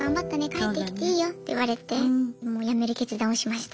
帰ってきていいよ」って言われてやめる決断をしました。